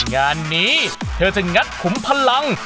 งานนี้เธอจะงัดขุมพลัง